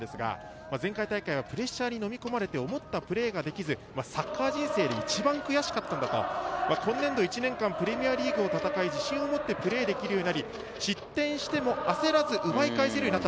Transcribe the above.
前回大会、プレッシャーにのみこまれて思ったプレーができず、サッカー人生で一番悔しかったんだと、今年度１年間プレミアリーグを戦い、自信を持ってプレーをできるようになり、失点しても焦らず奪い返せるようになった。